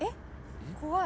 ・怖い！